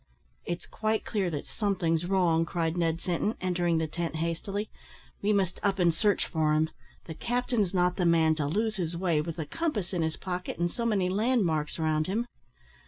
"It's quite clear that something's wrong," cried Ned Sinton, entering the tent hastily, "we must up and search for him. The captain's not the man to lose his way with a compass in his pocket and so many landmarks round him."